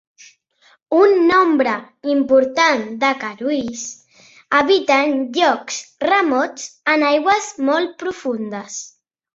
Un nombre important de cauris habiten llocs remots en aigües molt profundes.